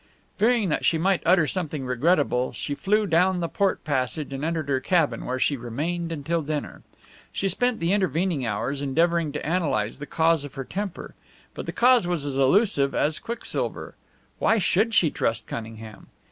Fearing that she might utter something regrettable, she flew down the port passage and entered her cabin, where she remained until dinner. She spent the intervening hours endeavouring to analyze the cause of her temper, but the cause was as elusive as quicksilver. Why should she trust Cunningham?